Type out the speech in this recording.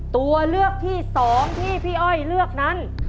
ตัวเลือกที่๒ที่พี่อ้อยเลือกนั้น